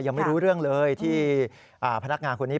ยังไม่รู้เรื่องเลยที่พนักงานคนนี้